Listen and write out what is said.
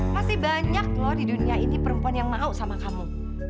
masih banyak loh di dunia ini perempuan yang mau sama kamu